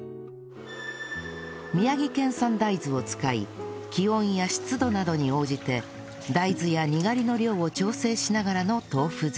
宮城県産大豆を使い気温や湿度などに応じて大豆やにがりの量を調整しながらの豆腐作り